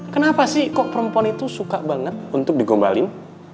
kenapa sih kok perempuan itu suka banget untuk digombalin